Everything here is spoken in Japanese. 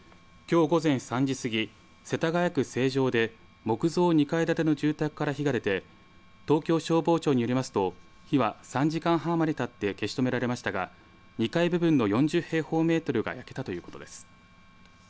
きょう午前３時過ぎ世田谷区成城で木造２階建ての住宅から火が出て東京消防庁によりますと火は３時間半余りたって消し止められましたが２階部分の４０平方メートルが焼けたということです。